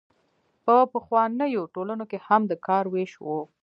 په پخوانیو ټولنو کې هم د کار ویش و.